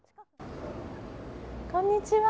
こんにちは。